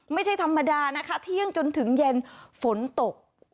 ไม่ใช่ธรรมดานะคะเที่ยงจนถึงเย็นฝนตก